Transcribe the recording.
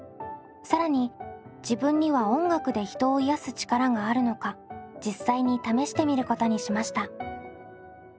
更に自分には音楽で人を癒す力があるのか実際に試してみることにしました。